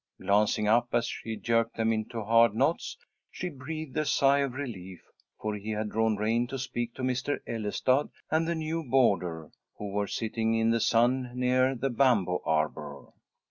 Glancing up as she jerked them into hard knots, she breathed a sigh of relief, for he had drawn rein to speak to Mr. Ellestad and the new boarder, who were sitting in the sun near the bamboo arbour.